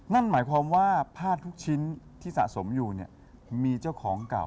นั่นหมายความว่าผ้าทุกชิ้นที่สะสมอยู่เนี่ยมีเจ้าของเก่า